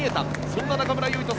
そんな中村唯翔